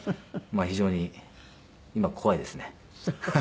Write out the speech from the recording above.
まあ非常に今怖いですね。